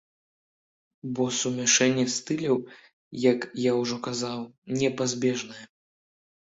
Бо сумяшчэнне стыляў, як я ўжо казаў, непазбежнае.